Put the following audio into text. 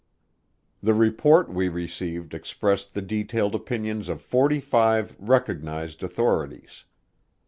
The report we received expressed the detailed opinions of forty five recognized authorities.